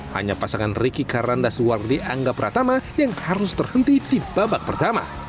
hanya pasangan ricky karanda suwardi angga pratama yang harus terhenti di babak pertama